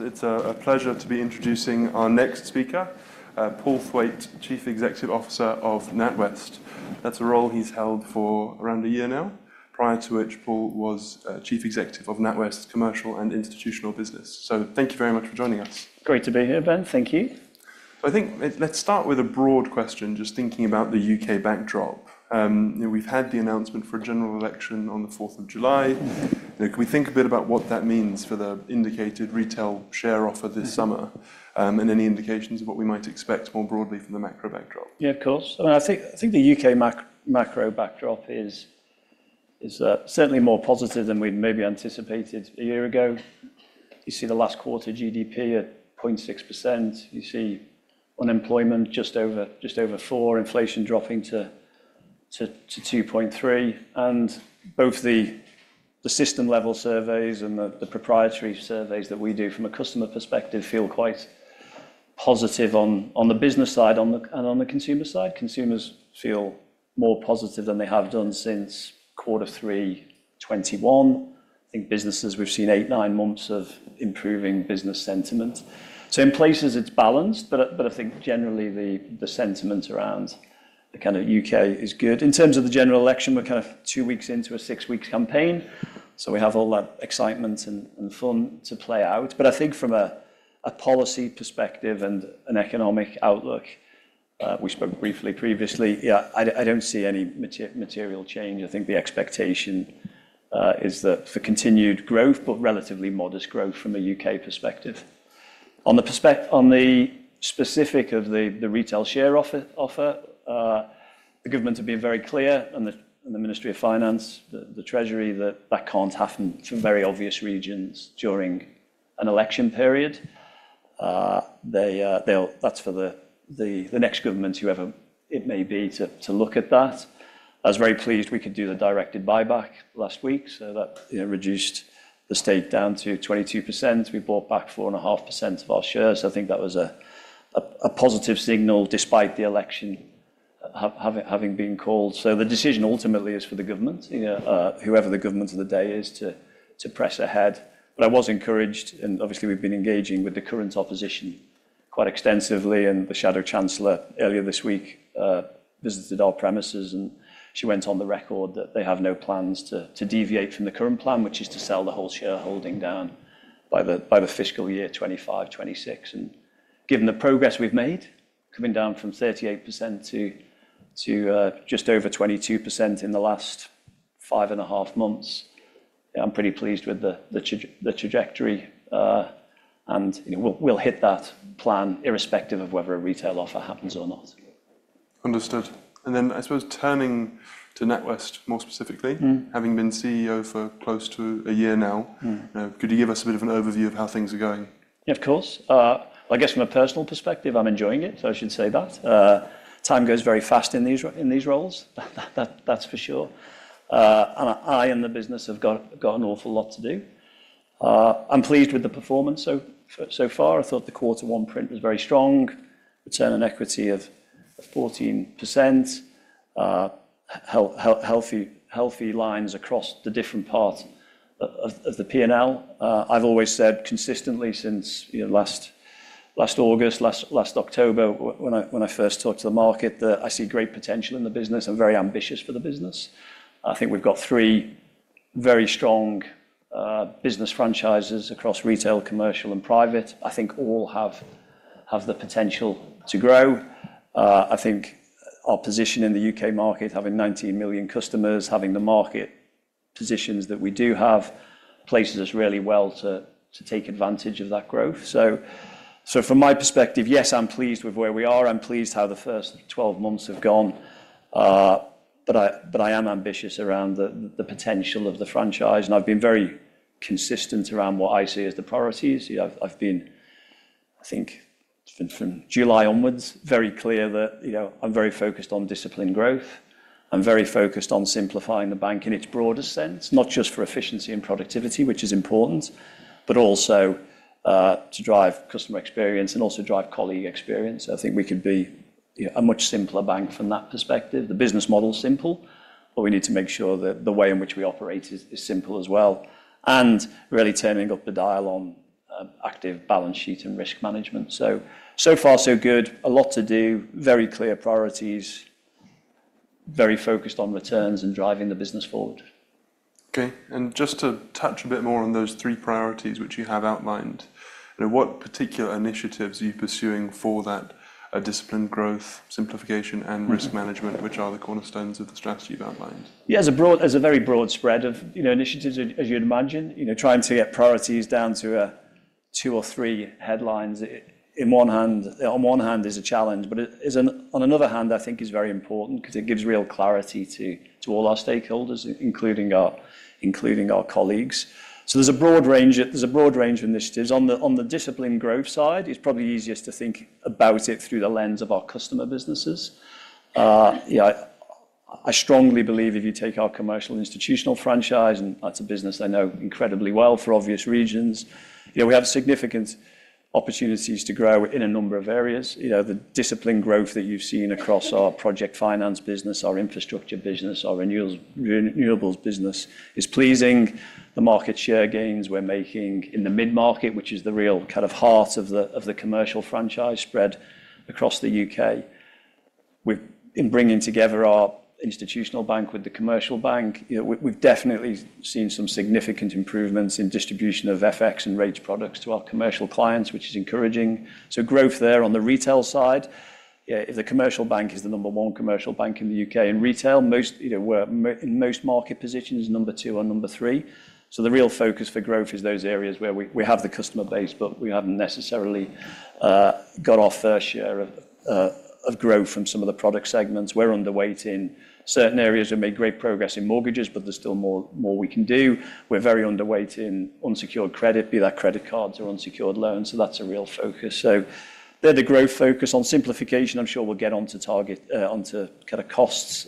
It's a pleasure to be introducing our next speaker, Paul Thwaite, Chief Executive Officer of NatWest. That's a role he's held for around a year now, prior to which Paul was Chief Executive of NatWest's Commercial & Institutional Business. Thank you very much for joining us. Great to be here, Ben. Thank you. I think let's start with a broad question, just thinking about the U.K. backdrop. You know, we've had the announcement for a general election on the 4th of July. Can we think a bit about what that means for the indicated retail share offer this summer, and any indications of what we might expect more broadly from the macro backdrop? Yeah, of course. I think the U.K. macro backdrop is certainly more positive than we'd maybe anticipated a year ago. You see the last quarter GDP at 0.6%. You see unemployment just over four, inflation dropping to 2.3. And both the system level surveys and the proprietary surveys that we do from a customer perspective feel quite positive on the business side and on the consumer side. Consumers feel more positive than they have done since quarter three 2021. I think businesses, we've seen 8-9 months of improving business sentiment. So in places it's balanced, but I think generally the sentiment around the kind of U.K. is good. In terms of the general election, we're kind of two weeks into a six week campaign, so we have all that excitement and fun to play out. But I think from a policy perspective and an economic outlook, we spoke briefly previously, yeah, I don't see any material change. I think the expectation is that for continued growth, but relatively modest growth from a U.K. perspective. On the specific of the retail share offer, the government have been very clear, and the Ministry of Finance, the Treasury, that that can't happen for very obvious reasons during an election period. They'll, that's for the next government, whoever it may be, to look at that. I was very pleased we could do the directed buyback last week, so that, you know, reduced the state down to 22%. We bought back 4.5% of our shares. I think that was a positive signal despite the election having been called. So the decision ultimately is for the government, you know, whoever the government of the day is, to press ahead. But I was encouraged, and obviously, we've been engaging with the current opposition quite extensively, and the Shadow Chancellor earlier this week visited our premises, and she went on the record that they have no plans to deviate from the current plan, which is to sell the whole shareholding down by the fiscal year 2025, 2026. Given the progress we've made, coming down from 38% to just over 22% in the last five and a half months, I'm pretty pleased with the trajectory. You know, we'll hit that plan irrespective of whether a retail offer happens or not. Understood. And then, I suppose turning to NatWest more specifically having been CEO for close to a year now. Mm. Could you give us a bit of an overview of how things are going? Yeah, of course. I guess from a personal perspective, I'm enjoying it, so I should say that. Time goes very fast in these roles. That's for sure. And I and the business have got an awful lot to do. I'm pleased with the performance so far. I thought the quarter one print was very strong. Return on equity of 14%. Healthy lines across the different parts of the P&L. I've always said consistently since, you know, last August, last October, when I first talked to the market, that I see great potential in the business. I'm very ambitious for the business. I think we've got three very strong business franchises across retail, commercial, and private. I think all have the potential to grow. I think our position in the U.K. market, having 19 million customers, having the market positions that we do have, places us really well to take advantage of that growth. So from my perspective, yes, I'm pleased with where we are. I'm pleased how the first 12 months have gone. But I am ambitious around the potential of the franchise, and I've been very consistent around what I see as the priorities. You know, I've been, I think it's been from July onwards, very clear that, you know, I'm very focused on disciplined growth. I'm very focused on simplifying the bank in its broadest sense, not just for efficiency and productivity, which is important, but also to drive customer experience and also drive colleague experience. I think we could be, you know, a much simpler bank from that perspective. The business model is simple, but we need to make sure that the way in which we operate is simple as well, and really turning up the dial on active balance sheet and risk management. So, so far, so good. A lot to do, very clear priorities, very focused on returns and driving the business forward. Okay, and just to touch a bit more on those three priorities which you have outlined, you know, what particular initiatives are you pursuing for that, disciplined growth, simplification, and risk management, which are the cornerstones of the strategy you've outlined? Yeah, broadly, there's a very broad spread of, you know, initiatives, as you'd imagine. You know, trying to get priorities down to 2 or 3 headlines. On one hand, is a challenge, but it is, on another hand, I think, very important because it gives real clarity to all our stakeholders, including our colleagues. So there's a broad range of initiatives. On the disciplined growth side, it's probably easiest to think about it through the lens of our customer businesses. I strongly believe if you take our commercial institutional franchise, and that's a business I know incredibly well, for obvious reasons, you know, we have significant opportunities to grow in a number of areas. You know, the disciplined growth that you've seen across our project finance business, our infrastructure business, our renewables business is pleasing. The market share gains we're making in the mid-market, which is the real kind of heart of the commercial franchise spread across the U.K. In bringing together our institutional bank with the commercial bank, you know, we've definitely seen some significant improvements in distribution of FX and rates products to our commercial clients, which is encouraging. So growth there on the retail side, the commercial bank is the number one commercial bank in the U.K. In retail, you know, we're in most market positions, number two or number three. So the real focus for growth is those areas where we have the customer base, but we haven't necessarily got our fair share of growth from some of the product segments. We're underweight in certain areas. We've made great progress in mortgages, but there's still more we can do. We're very underweight in unsecured credit, be that credit cards or unsecured loans, so that's a real focus. So they're the growth focus. On simplification, I'm sure we'll get on to target, on to kind of costs,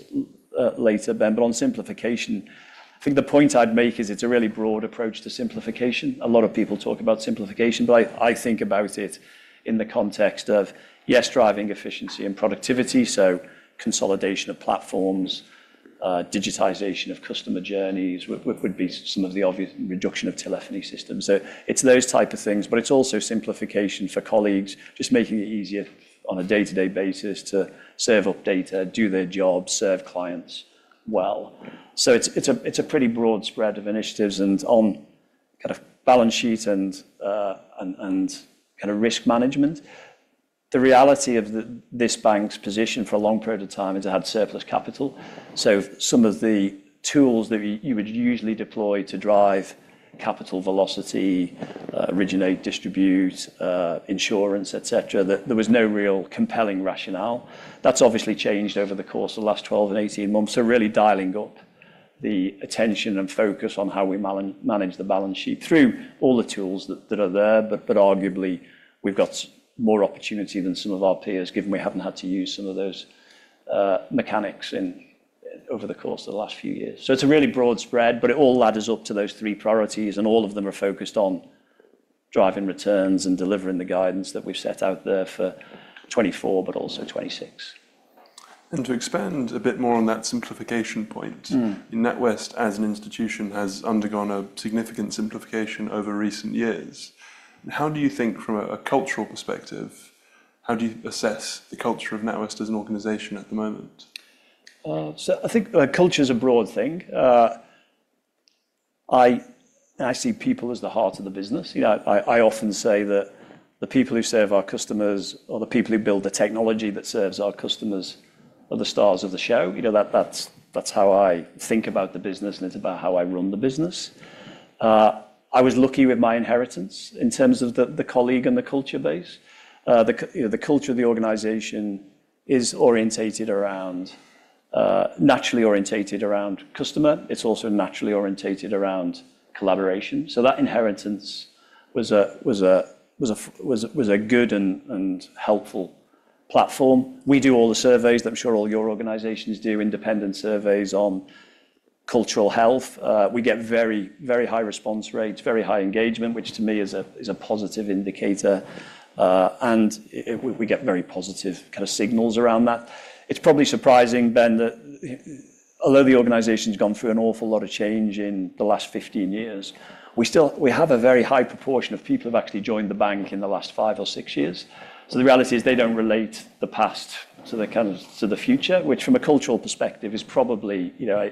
later, Ben. But on simplification, I think the point I'd make is it's a really broad approach to simplification. A lot of people talk about simplification, but I think about it in the context of, yes, driving efficiency and productivity, so consolidation of platforms, digitization of customer journeys, would be some of the obvious, reduction of telephony systems. So it's those type of things, but it's also simplification for colleagues, just making it easier on a day-to-day basis to serve up data, do their jobs, serve clients well. So it's a pretty broad spread of initiatives, and on kind of balance sheet and kind of risk management. The reality of this bank's position for a long period of time is it had surplus capital. So some of the tools that you would usually deploy to drive capital velocity, originate, distribute, insurance, et cetera, there was no real compelling rationale. That's obviously changed over the course of the last 12 and 18 months. So really dialing up the attention and focus on how we manage the balance sheet through all the tools that are there. But arguably, we've got more opportunity than some of our peers, given we haven't had to use some of those mechanics over the course of the last few years. So it's a really broad spread, but it all ladders up to those three priorities, and all of them are focused on driving returns and delivering the guidance that we've set out there for 2024, but also 2026. To expand a bit more on that simplification point- Mm. NatWest, as an institution, has undergone a significant simplification over recent years. How do you think from a cultural perspective, how do you assess the culture of NatWest as an organization at the moment? So I think, culture is a broad thing. I see people as the heart of the business. You know, I often say that the people who serve our customers or the people who build the technology that serves our customers are the stars of the show. You know, that's how I think about the business, and it's about how I run the business. I was lucky with my inheritance in terms of the colleagues and the culture base. You know, the culture of the organization is orientated around, naturally orientated around customer. It's also naturally orientated around collaboration. So that inheritance was a good and helpful platform. We do all the surveys that I'm sure all your organizations do, independent surveys on cultural health. We get very, very high response rates, very high engagement, which to me is a positive indicator, and we get very positive kind of signals around that. It's probably surprising, Ben, that although the organization's gone through an awful lot of change in the last 15 years, we still, we have a very high proportion of people who've actually joined the bank in the last 5 or 6 years. So the reality is they don't relate the past to the kind of, to the future, which, from a cultural perspective, is probably, you know,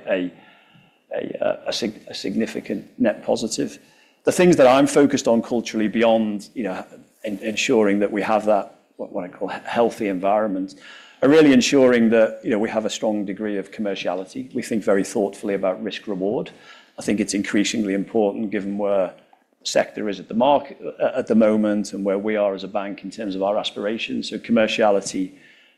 a significant net positive. The things that I'm focused on culturally, beyond, you know, ensuring that we have that, what I call healthy environment, are really ensuring that, you know, we have a strong degree of commerciality. We think very thoughtfully about risk reward. I think it's increasingly important, given where the sector is at the moment and where we are as a bank in terms of our aspirations. So commerciality,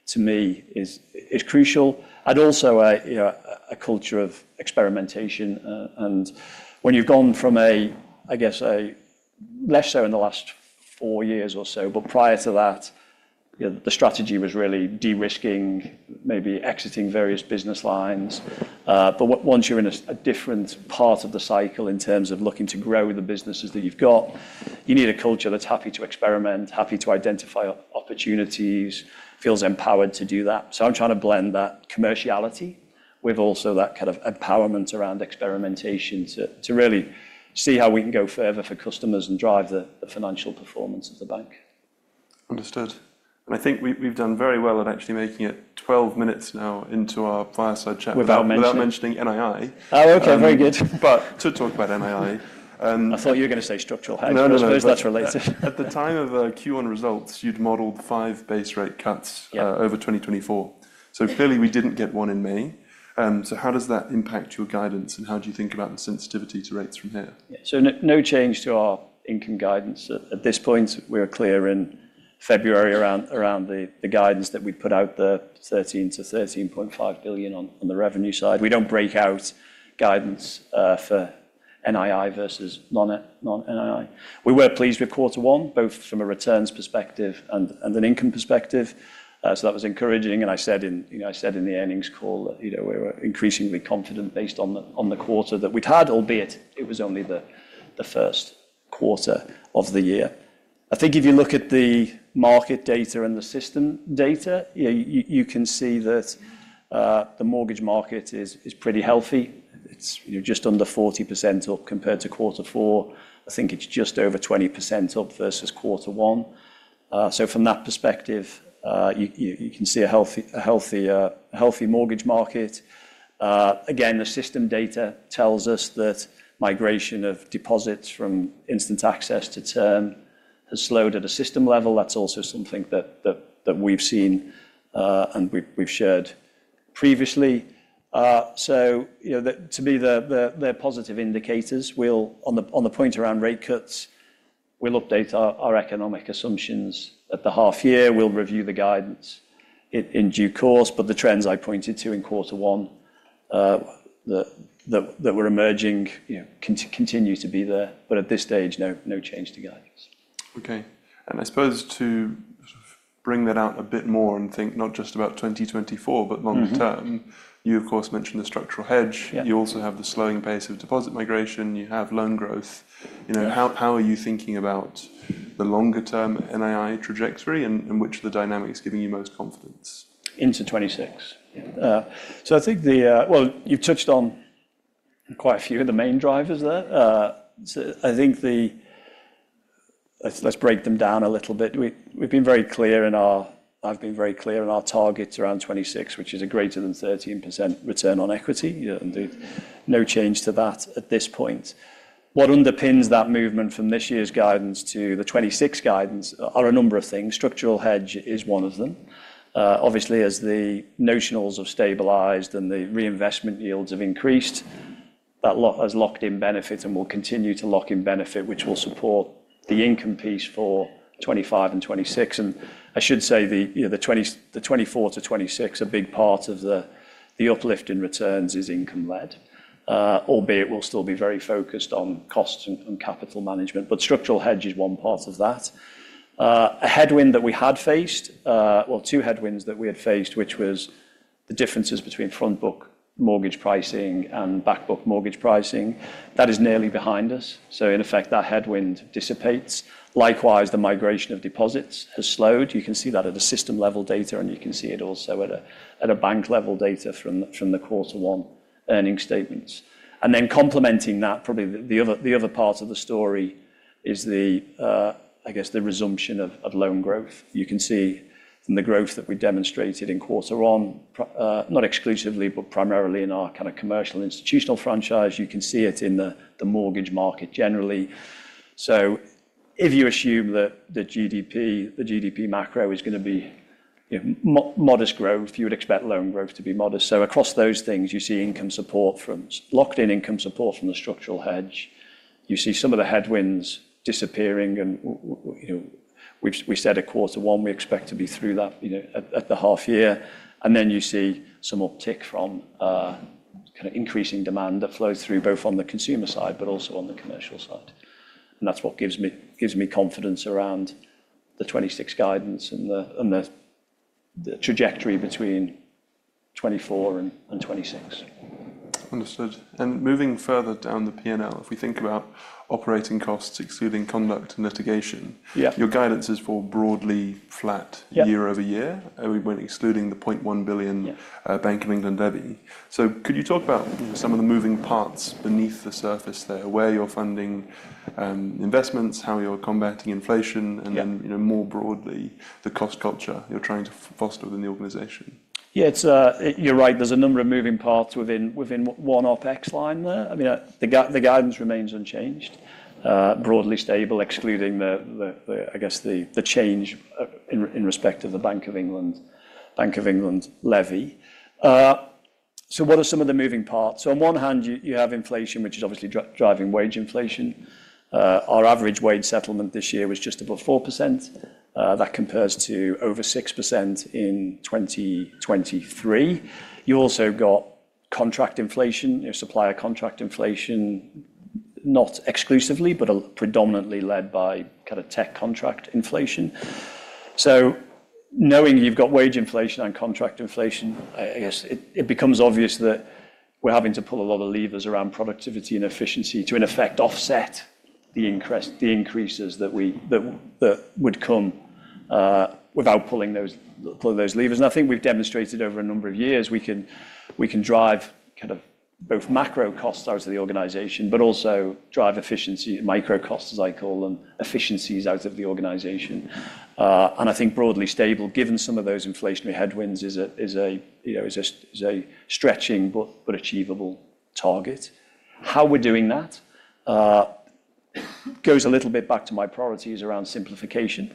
to me, is crucial, and also, you know, a culture of experimentation, and when you've gone from a, I guess, less so in the last four years or so, but prior to that, you know, the strategy was really de-risking, maybe exiting various business lines. But once you're in a different part of the cycle in terms of looking to grow the businesses that you've got, you need a culture that's happy to experiment, happy to identify opportunities, feels empowered to do that. I'm trying to blend that commerciality with also that kind of empowerment around experimentation to really see how we can go further for customers and drive the financial performance of the bank. Understood. And I think we, we've done very well at actually making it 12 minutes now into our fireside chat. Without mentioning. Without mentioning NII. Oh, okay. Very good. But to talk about NII. I thought you were going to say structural hedge. No, no, no. But that's related. At the time of the Q1 results, you'd modeled five base rate cuts over 2024. So clearly, we didn't get one in May. So how does that impact your guidance, and how do you think about the sensitivity to rates from here? So no, no change to our income guidance. At this point, we're clear in February around the guidance that we put out there, 13 billion-13.5 billion on the revenue side. We don't break out guidance for NII versus non-NII. We were pleased with quarter one, both from a returns perspective and an income perspective, so that was encouraging. And I said in you know I said in the earnings call that you know we were increasingly confident based on the quarter that we'd had, albeit it was only the first quarter of the year. I think if you look at the market data and the system data, you can see that the mortgage market is pretty healthy. It's you're just under 40% up compared to quarter four. I think it's just over 20% up versus quarter one. So from that perspective, you can see a healthier mortgage market. Again, the system data tells us that migration of deposits from instant access to term has slowed at a system level. That's also something that we've seen, and we've shared previously. So you know, to me, they're positive indicators. We'll, on the point around rate cuts, we'll update our economic assumptions at the half year. We'll review the guidance in due course, but the trends I pointed to in quarter one, that were emerging, you know, continue to be there, but at this stage, no change to guidance. Okay. And I suppose to bring that out a bit more and think not just about 2024, but longer term. Mm-hmm. You, of course, mentioned the structural hedge. Yeah. You also have the slowing pace of deposit migration. You have loan growth. Yeah. You know, how are you thinking about the longer-term NII trajectory and which of the dynamics is giving you most confidence? Into 2026. Yeah. So I think the, well, you've touched on quite a few of the main drivers there. So I think the, let's, let's break them down a little bit. We, we've been very clear in our, I've been very clear in our targets around 2026, which is a greater than 13% return on equity. Yeah, indeed. No change to that at this point. What underpins that movement from this year's guidance to the 2026 guidance are a number of things. Structural hedge is one of them. Obviously, as the notionals have stabilized and the reinvestment yields have increased, that has locked in benefit and will continue to lock in benefit, which will support the income piece for 2025 and 2026. I should say the, you know, the 2024-2026, a big part of the, the uplift in returns is income-led, albeit we'll still be very focused on costs and, and capital management, but structural hedge is one part of that. A headwind that we had faced, well, two headwinds that we had faced, which was the differences between front book mortgage pricing and back book mortgage pricing. That is nearly behind us, so in effect, that headwind dissipates. Likewise, the migration of deposits has slowed. You can see that at a system-level data, and you can see it also at a bank-level data from the quarter one earnings statements. And then complementing that, probably the other part of the story is the, I guess, the resumption of loan growth. You can see from the growth that we demonstrated in quarter one, not exclusively, but primarily in our kind of commercial institutional franchise. You can see it in the mortgage market generally. So if you assume that the GDP, the GDP macro is going to be, you know, modest growth, you would expect loan growth to be modest. So across those things, you see income support from locked in income support from the structural hedge. You see some of the headwinds disappearing and, you know, we said at quarter one, we expect to be through that, you know, at, at the half year, and then you see some uptick from kind of increasing demand that flows through, both on the consumer side, but also on the commercial side. That's what gives me confidence around the 2026 guidance and the trajectory between 2024 and 2026. Understood. Moving further down the P&L, if we think about operating costs, excluding conduct and litigation. Yeah. Your guidance is for broadly flat year-over-year, when excluding the 0.1 billion Bank of England levy. So could you talk about some of the moving parts beneath the surface there, where you're funding, investments, how you're combating inflation? Yeah And then, you know, more broadly, the cost culture you're trying to foster within the organization? Yeah, it's, you're right. There's a number of moving parts within one OpEx line there. I mean, the guidance remains unchanged, broadly stable, excluding the change in respect of the Bank of England levy. So what are some of the moving parts? So on one hand, you have inflation, which is obviously driving wage inflation. Our average wage settlement this year was just above 4%. That compares to over 6% in 2023. You also got contract inflation, you know, supplier contract inflation, not exclusively, but predominantly led by kind of tech contract inflation. So knowing you've got wage inflation and contract inflation, I guess it becomes obvious that we're having to pull a lot of levers around productivity and efficiency to, in effect, offset the increases that would come without pulling those levers. And I think we've demonstrated over a number of years, we can drive kind of both macro costs out of the organization, but also drive efficiency, micro costs, as I call them, efficiencies out of the organization. And I think broadly stable, given some of those inflationary headwinds, is a, you know, is a stretching but achievable target. How we're doing that goes a little bit back to my priorities around simplification.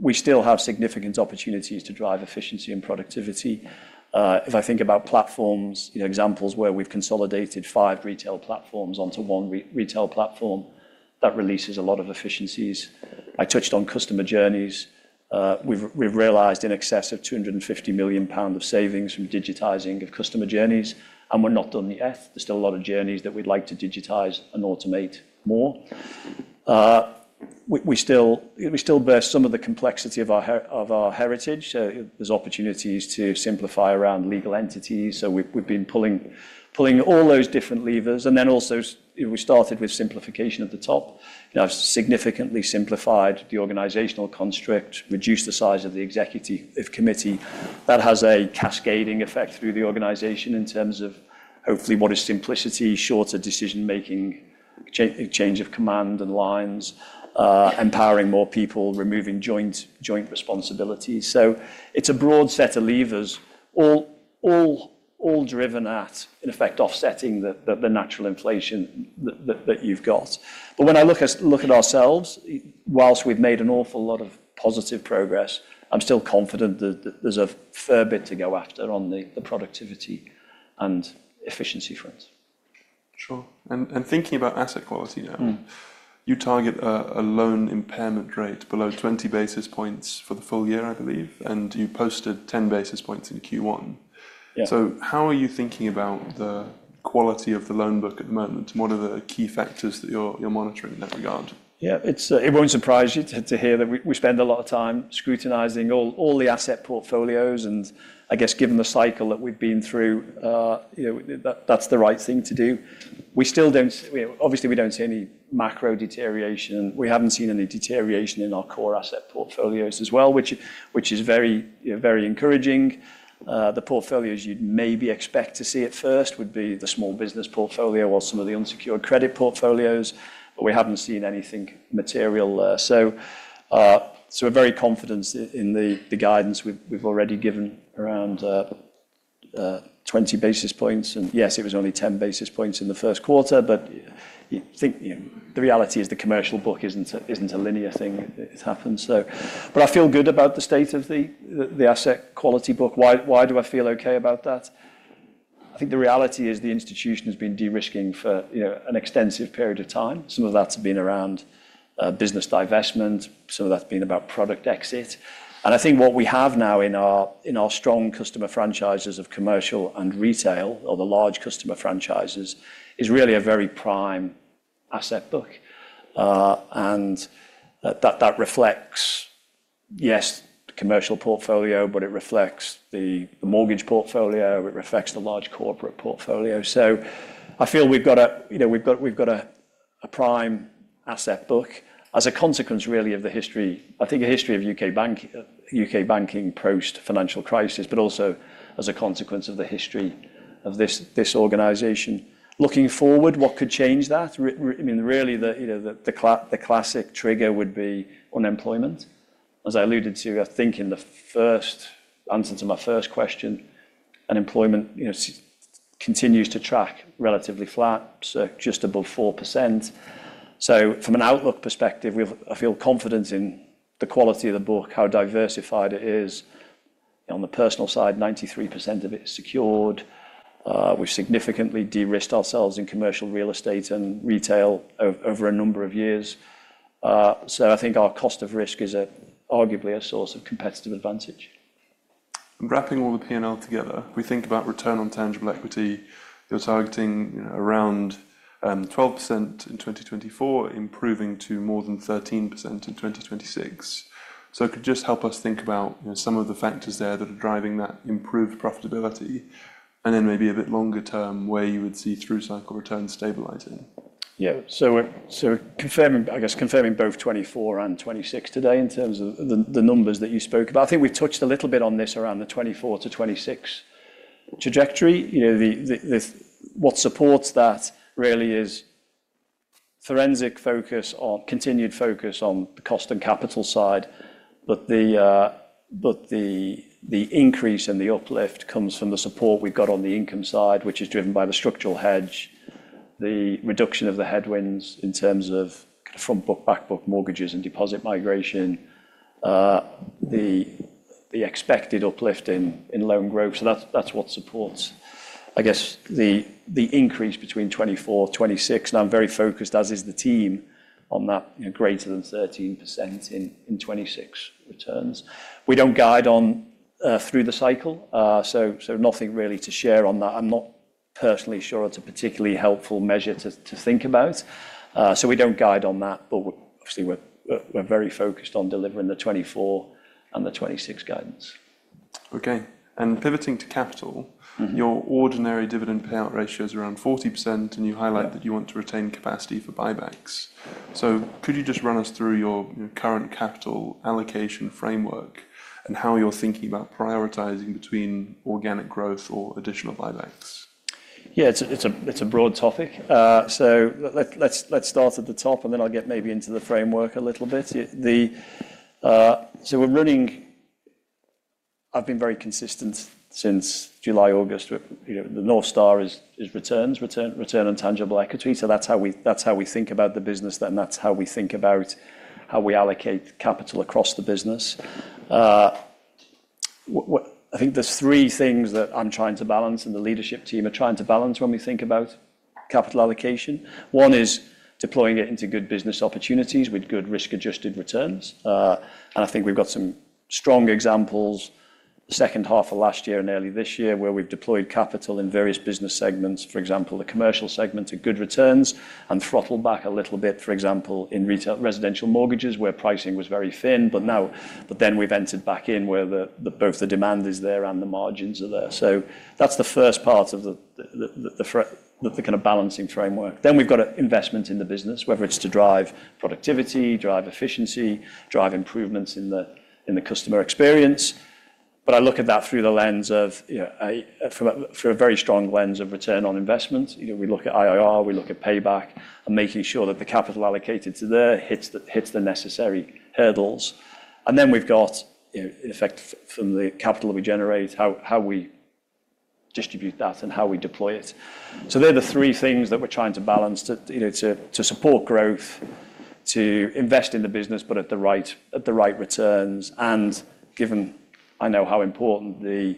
We still have significant opportunities to drive efficiency and productivity. If I think about platforms, you know, examples where we've consolidated five retail platforms onto one retail platform, that releases a lot of efficiencies. I touched on customer journeys. We've realized in excess of 250 million pounds of savings from digitizing of customer journeys, and we're not done yet. There's still a lot of journeys that we'd like to digitize and automate more. We still bear some of the complexity of our heritage, so there's opportunities to simplify around legal entities. So we've been pulling all those different levers. And then also, we started with simplification at the top. You know, significantly simplified the organizational construct, reduced the size of the Executive Committee. That has a cascading effect through the organization in terms of hopefully more simplicity, shorter decision-making, change of command and lines, empowering more people, removing joint responsibilities. So it's a broad set of levers, all driven at, in effect, offsetting the natural inflation that you've got. But when I look at ourselves, whilst we've made an awful lot of positive progress, I'm still confident that there's a fair bit to go after on the productivity and efficiency front. Sure. And thinking about asset quality now. Mm. You target a loan impairment rate below 20 basis points for the full year, I believe, and you posted 10 basis points in Q1. Yeah. So how are you thinking about the quality of the loan book at the moment? What are the key factors that you're monitoring in that regard? Yeah, it's. It won't surprise you to hear that we spend a lot of time scrutinizing all the asset portfolios, and I guess, given the cycle that we've been through, you know, that's the right thing to do. We still don't, obviously, we don't see any macro deterioration. We haven't seen any deterioration in our core asset portfolios as well, which is very, very encouraging. The portfolios you'd maybe expect to see at first would be the small business portfolio or some of the unsecured credit portfolios, but we haven't seen anything material there. So, so we're very confident in the guidance we've already given around 20 basis points, and yes, it was only 10 basis points in the first quarter, but you think, you know, the reality is the commercial book isn't a linear thing. It happens, so, but I feel good about the state of the asset quality book. Why do I feel okay about that? I think the reality is the institution has been de-risking for, you know, an extensive period of time. Some of that's been around business divestment, some of that's been about product exit. And I think what we have now in our strong customer franchises of commercial and retail, or the large customer franchises, is really a very prime asset book. And that, that reflects, yes, the commercial portfolio, but it reflects the, the mortgage portfolio, it reflects the large corporate portfolio. So I feel we've got a, you know, we've got a, a prime asset book as a consequence, really, of the history, I think a history of U.K. banking, U.K. banking post-financial crisis, but also as a consequence of the history of this, this organization. Looking forward, what could change that? I mean, really, the, you know, the classic trigger would be unemployment. As I alluded to, I think in the first answer to my first question, unemployment, you know, continues to track relatively flat, so just above 4%. So from an outlook perspective, we've. I feel confident in the quality of the book, how diversified it is. On the personal side, 93% of it is secured. We've significantly de-risked ourselves in commercial real estate and retail over a number of years. So I think our cost of risk is arguably a source of competitive advantage. Wrapping all the P&L together, we think about return on tangible equity. You're targeting around 12% in 2024, improving to more than 13% in 2026. So could you just help us think about, you know, some of the factors there that are driving that improved profitability, and then maybe a bit longer term, where you would see through-cycle returns stabilizing? Yeah. So we're, so confirming, I guess, confirming both 2024 and 2026 today in terms of the numbers that you spoke about. I think we've touched a little bit on this around the 2024-2026 trajectory. You know, what supports that really is forensic focus on continued focus on the cost and capital side, but the increase and the uplift comes from the support we've got on the income side, which is driven by the structural hedge, the reduction of the headwinds in terms of front book, back book mortgages and deposit migration, the expected uplift in loan growth. So that's what supports, I guess, the increase between 2024-2026. And I'm very focused, as is the team, on that, you know, greater than 13% in 2026 returns. We don't guide on through the cycle, so nothing really to share on that. I'm not personally sure it's a particularly helpful measure to think about, so we don't guide on that, but obviously, we're very focused on delivering the 2024 and the 2026 guidance. Okay. And pivoting to capital. Mm-hmm. Your ordinary dividend payout ratio is around 40%, and you highlight that you want to retain capacity for buybacks. So could you just run us through your, you know, current capital allocation framework and how you're thinking about prioritizing between organic growth or additional buybacks? Yeah, it's a broad topic. So let's start at the top, and then I'll get maybe into the framework a little bit. So we're running. I've been very consistent since July, August, with, you know, the North Star is return on tangible equity. So that's how we, that's how we think about the business, then that's how we think about how we allocate capital across the business. I think there's three things that I'm trying to balance, and the leadership team are trying to balance when we think about capital allocation. One is deploying it into good business opportunities with good risk-adjusted returns. And I think we've got some strong examples... The second half of last year and early this year, where we've deployed capital in various business segments, for example, the commercial segment to good returns, and throttled back a little bit, for example, in retail residential mortgages, where pricing was very thin. But then we've entered back in where both the demand is there and the margins are there. So that's the first part of the kind of balancing framework. Then we've got an investment in the business, whether it's to drive productivity, drive efficiency, drive improvements in the customer experience. But I look at that through the lens of, you know, from a very strong lens of return on investment. You know, we look at IRR, we look at payback, and making sure that the capital allocated there hits the necessary hurdles. And then we've got, you know, in effect from the capital that we generate, how we distribute that and how we deploy it. So they're the three things that we're trying to balance to, you know, to support growth, to invest in the business, but at the right returns. And given I know how important the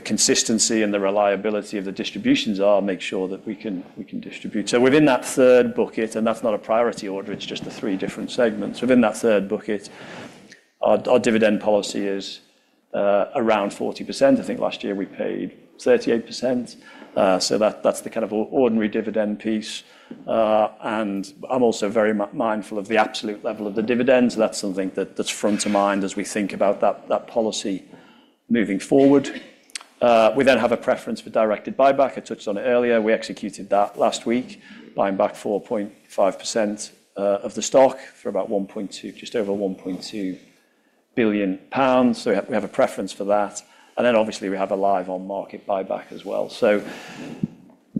consistency and the reliability of the distributions are, make sure that we can distribute. So within that third bucket, and that's not a priority order, it's just the three different segments. Within that third bucket, our dividend policy is around 40%. I think last year we paid 38%. So that's the kind of ordinary dividend piece. And I'm also very mindful of the absolute level of the dividends. That's something that, that's front of mind as we think about that, that policy moving forward. We then have a preference for directed buyback. I touched on it earlier. We executed that last week, buying back 4.5% of the stock for about 1.2 billion, just over 1.2 billion pounds. So we have a preference for that, and then obviously we have a live on-market buyback as well. So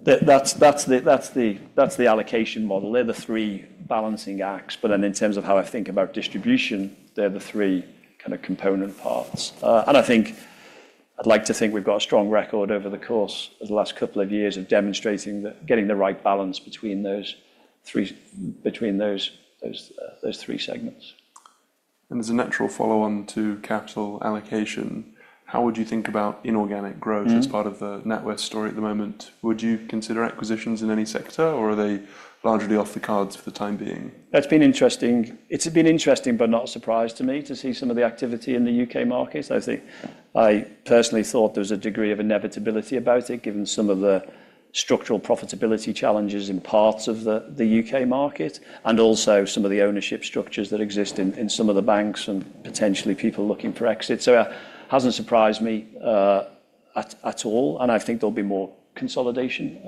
that's the allocation model. They're the three balancing acts. But then in terms of how I think about distribution, they're the three kind of component parts. And I think I'd like to think we've got a strong record over the course of the last couple of years of demonstrating the getting the right balance between those three segments. As a natural follow-on to capital allocation, how would you think about inorganic growth? Mm. As part of the NatWest story at the moment? Would you consider acquisitions in any sector, or are they largely off the cards for the time being? That's been interesting. It's been interesting but not a surprise to me to see some of the activity in the U.K. market. I think I personally thought there was a degree of inevitability about it, given some of the structural profitability challenges in parts of the U.K. market, and also some of the ownership structures that exist in some of the banks and potentially people looking for exits. So, it hasn't surprised me, at all, and I think there'll be more consolidation,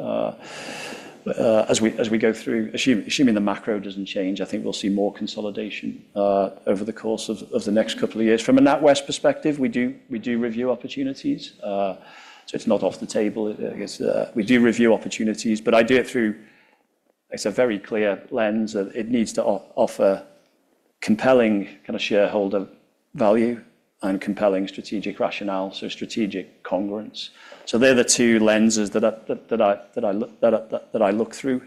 as we go through. Assuming the macro doesn't change, I think we'll see more consolidation, over the course of the next couple of years. From a NatWest perspective, we review opportunities, so it's not off the table. I guess, we do review opportunities, but I do it through... It's a very clear lens of it needs to offer compelling kind of shareholder value and compelling strategic rationale, so strategic congruence. So they're the two lenses that I look through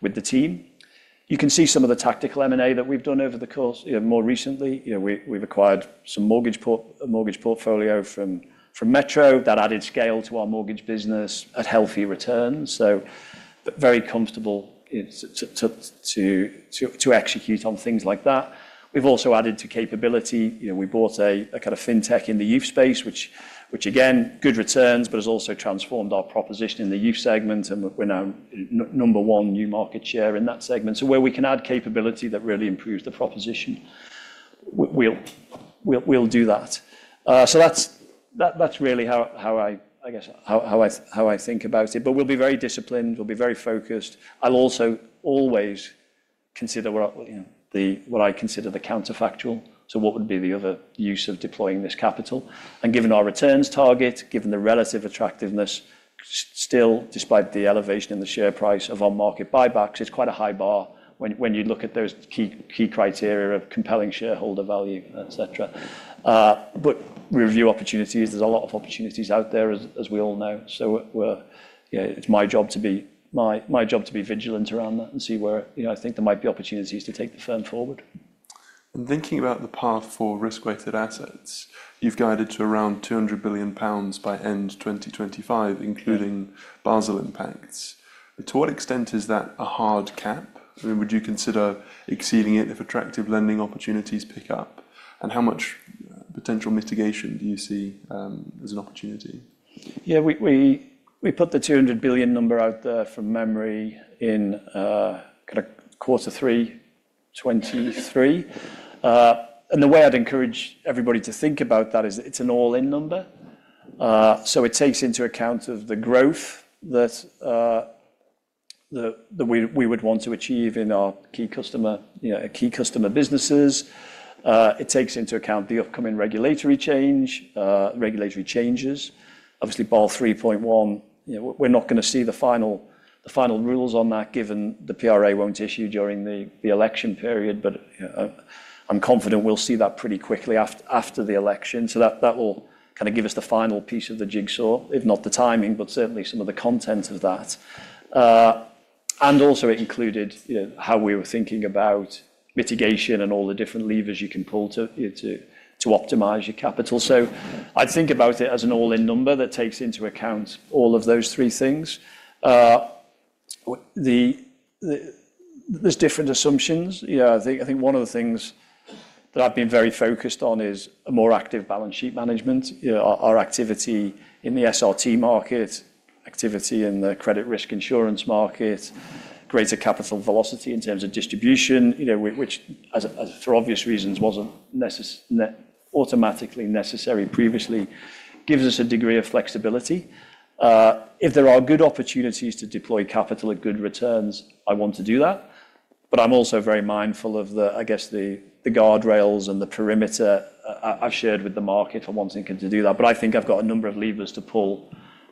with the team. You can see some of the tactical M&A that we've done over the course... You know, more recently, you know, we, we've acquired a mortgage portfolio from Metro. That added scale to our mortgage business at healthy returns, so but very comfortable to execute on things like that. We've also added to capability. You know, we bought a kind of fintech in the youth space, which again, good returns, but has also transformed our proposition in the youth segment, and we're now number one new market share in that segment. So where we can add capability that really improves the proposition, we'll do that. So that's really how I guess how I think about it. But we'll be very disciplined. We'll be very focused. I'll also always consider what you know I consider the counterfactual, so what would be the other use of deploying this capital? And given our returns target, given the relative attractiveness, still, despite the elevation in the share price of our market buybacks, it's quite a high bar when you look at those key criteria of compelling shareholder value, et cetera. But we review opportunities. There's a lot of opportunities out there, as we all know. So we're... You know, it's my job to be vigilant around that and see where, you know, I think there might be opportunities to take the firm forward. Thinking about the path for risk-weighted assets, you've guided to around 200 billion pounds by end 2025, including Basel impacts. To what extent is that a hard cap? I mean, would you consider exceeding it if attractive lending opportunities pick up? And how much potential mitigation do you see, as an opportunity? Yeah, we put the 200 billion number out there from memory in kind of quarter three 2023. And the way I'd encourage everybody to think about that is it's an all-in number. So it takes into account of the growth that we would want to achieve in our key customer, you know, key customer businesses. It takes into account the upcoming regulatory change, regulatory changes. Obviously, Basel 3.1, you know, we're not going to see the final rules on that, given the PRA won't issue during the election period, but I'm confident we'll see that pretty quickly after the election. So that will kind of give us the final piece of the jigsaw, if not the timing, but certainly some of the content of that. And also it included, you know, how we were thinking about mitigation and all the different levers you can pull to, you know, to, to optimize your capital. So I think about it as an all-in number that takes into account all of those three things. There's different assumptions. Yeah, I think, I think one of the things that I've been very focused on is a more active balance sheet management. You know, our activity in the SRT market, activity in the credit risk insurance market, greater capital velocity in terms of distribution, you know, which, as for obvious reasons, wasn't automatically necessary previously, gives us a degree of flexibility. If there are good opportunities to deploy capital at good returns, I want to do that. But I'm also very mindful of the, I guess, the guardrails and the perimeter I've shared with the market if I'm wanting to do that. But I think I've got a number of levers to pull,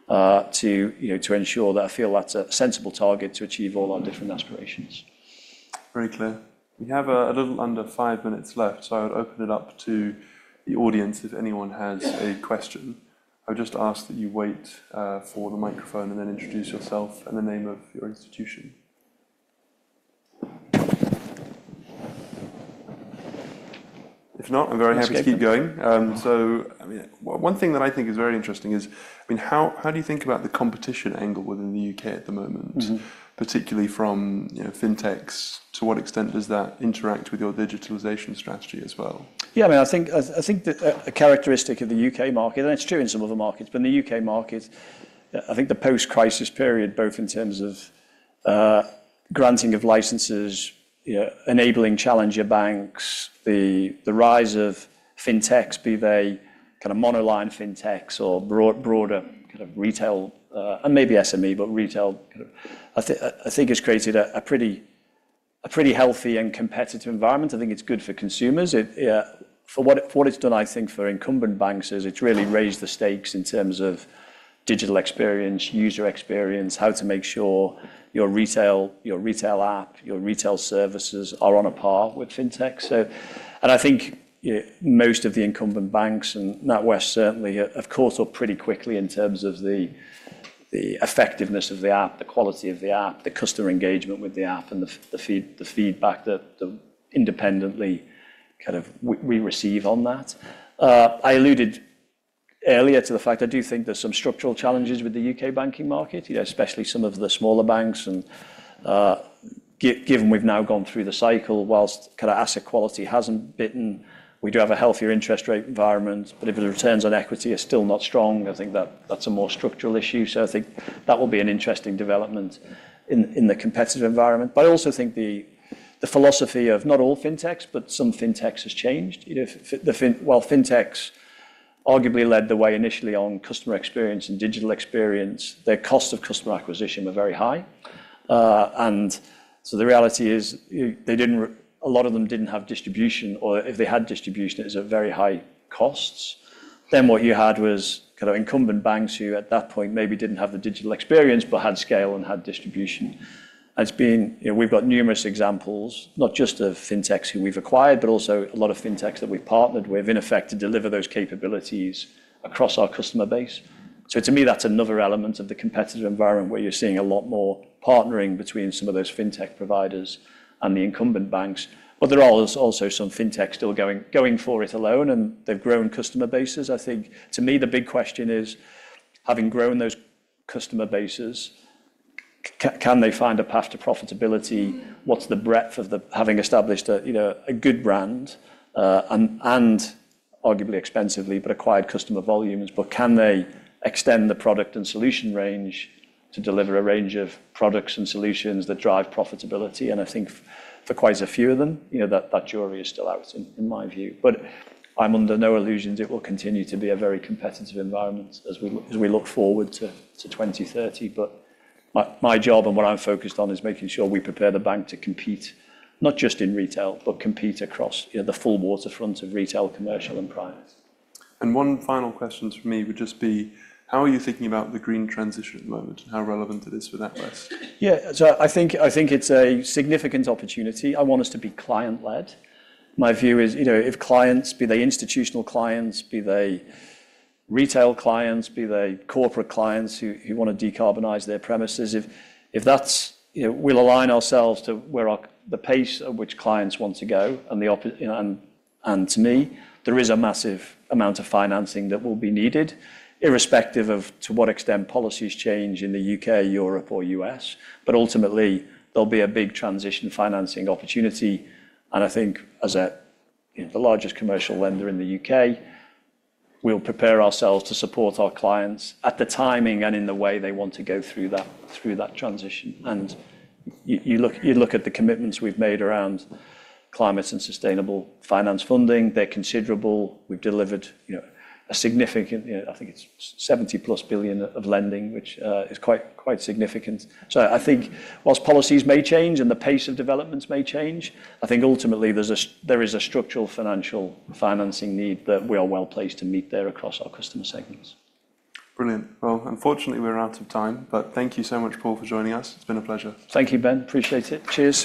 to you know, to ensure that I feel that's a sensible target to achieve all our different aspirations. Very clear. We have a, a little under five minutes left, so I would open it up to the audience if anyone has a question. I would just ask that you wait for the microphone and then introduce yourself and the name of your institution. If not, I'm very happy to keep going. Okay. So, I mean, one thing that I think is very interesting is, I mean, how do you think about the competition angle within the U.K. at the moment? Mm-hmm. Particularly from, you know, fintechs, to what extent does that interact with your digitalization strategy as well? Yeah, I mean, I think a characteristic of the U.K. market, and it's true in some other markets, but in the U.K. market, I think the post-crisis period, both in terms of granting of licenses, you know, enabling challenger banks, the rise of fintechs, be they kind of monoline fintechs or broader kind of retail, and maybe SME, but retail kind of, I think has created a pretty healthy and competitive environment. I think it's good for consumers. It, for what it's done, I think, for incumbent banks is it's really raised the stakes in terms of digital experience, user experience, how to make sure your retail app, your retail services are on a par with fintech. I think you most of the incumbent banks and NatWest certainly have caught up pretty quickly in terms of the effectiveness of the app, the quality of the app, the customer engagement with the app, and the feedback that independently kind of we receive on that. I alluded earlier to the fact I do think there's some structural challenges with the U.K. banking market, you know, especially some of the smaller banks. And given we've now gone through the cycle, whilst kind of asset quality hasn't bitten, we do have a healthier interest rate environment. But if the returns on equity are still not strong, I think that that's a more structural issue. So I think that will be an interesting development in the competitive environment. But I also think the philosophy of not all fintechs, but some fintechs, has changed. You know, while fintechs arguably led the way initially on customer experience and digital experience, their cost of customer acquisition were very high. And so the reality is, they didn't—a lot of them didn't have distribution, or if they had distribution, it was at very high costs. Then what you had was kind of incumbent banks who, at that point, maybe didn't have the digital experience but had scale and had distribution. It's been, you know, we've got numerous examples, not just of fintechs who we've acquired, but also a lot of fintechs that we've partnered with, in effect, to deliver those capabilities across our customer base. So to me, that's another element of the competitive environment, where you're seeing a lot more partnering between some of those fintech providers and the incumbent banks. But there are also some fintechs still going for it alone, and they've grown customer bases. I think, to me, the big question is: Having grown those customer bases, can they find a path to profitability? What's the breadth of the having established a, you know, a good brand, and arguably expensively, but acquired customer volumes, but can they extend the product and solution range to deliver a range of products and solutions that drive profitability? And I think for quite a few of them, you know, that jury is still out in my view. But I'm under no illusions it will continue to be a very competitive environment as we look forward to 2030. But my job and what I'm focused on is making sure we prepare the bank to compete, not just in retail, but compete across, you know, the full waterfront of retail, commercial, and private. One final question from me would just be: How are you thinking about the green transition at the moment, and how relevant it is for NatWest? Yeah. So I think, I think it's a significant opportunity. I want us to be client-led. My view is, you know, if clients, be they institutional clients, be they retail clients, be they corporate clients who, who want to decarbonize their premises, if, if that's... You know, we'll align ourselves to where our c- the pace at which clients want to go and the oppo- you know, and, and to me, there is a massive amount of financing that will be needed, irrespective of to what extent policies change in the U.K., Europe, or U.S. But ultimately, there'll be a big transition financing opportunity, and I think as a, you know, the largest commercial lender in the U.K., we'll prepare ourselves to support our clients at the timing and in the way they want to go through that, through that transition. You, you look, you look at the commitments we've made around climate and sustainable finance funding, they're considerable. We've delivered, you know, a significant, you know, I think it's 70+ billion of lending, which is quite, quite significant. So I think whilst policies may change and the pace of developments may change, I think ultimately there is a structural financial financing need that we are well placed to meet there across our customer segments. Brilliant. Well, unfortunately, we're out of time, but thank you so much, Paul, for joining us. It's been a pleasure. Thank you, Ben. Appreciate it. Cheers!